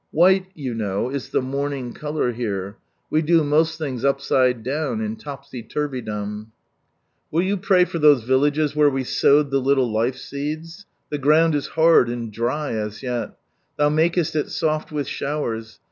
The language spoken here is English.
White, you know, is the mourning colour here — we do most things upside down, in Topsy Turvydom. Will you pray for those villages where we sowed the little life seeds ? The ground is hard and dry as yet. "Thou makest it soft with showers."